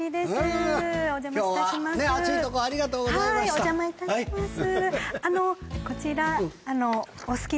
はいお邪魔いたします。